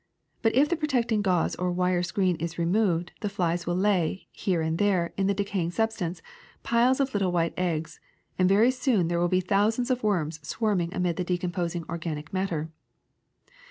But if the protecting gauze or wire screen is removed the flies will lay, here and there on the decaying substance, piles of little white eggs, and very soon there will be thou sands of worms swarming amid the decomposing organic matter.